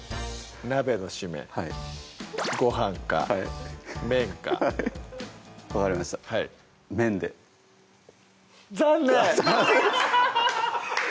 鍋のシメご飯か麺かはい分かりました麺で残念！